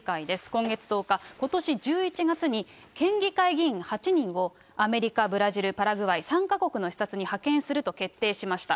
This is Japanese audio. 今月１０日、ことし１１月に県議会議員８人をアメリカ、ブラジル、パラグアイ３か国の視察に派遣すると決定しました。